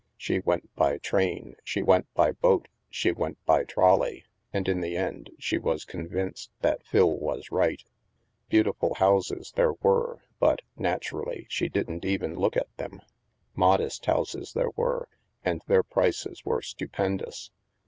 She went by train, she went by boat, she went by trolley. And in the end, she was con vinced that Phil was right. Beautiful houses there were, but, naturally, she didn't even look at them. Modest houses there were, and their prices were stupendous.